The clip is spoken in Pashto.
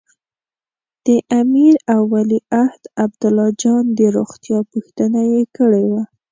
د امیر او ولیعهد عبدالله جان د روغتیا پوښتنه یې کړې وه.